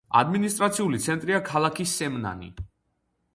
ადმინისტრაციული ცენტრია ქალაქი სემნანი.